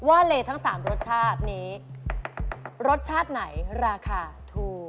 อันนนี้๔๕บาท